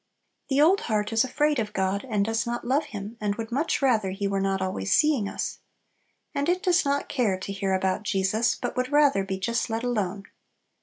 The old heart is afraid of God, and does not love Him, and would much rather He were not always seeing us. And it does not care to hear about Jesus, but would rather be just let alone.